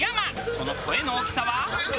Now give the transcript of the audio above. その声の大きさは。